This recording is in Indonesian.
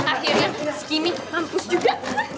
akhirnya si kimu mampus juga